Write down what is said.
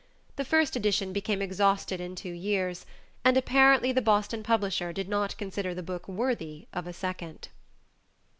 The first edition became exhausted in two years, and apparently the Boston publisher did not consider the book worthy of a second.